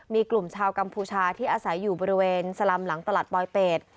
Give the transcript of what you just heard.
มีกลุ่มชาวกัมพูชาที่อาศัยอยู่บริเวณสลำหลังตลาดปลอยเป็ด